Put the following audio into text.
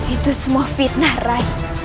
itu semua fitnah rai